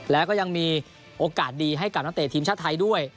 แล้วก็ยังมีโอกาสดีให้กับนักเตะทีมชาติไทยด้วย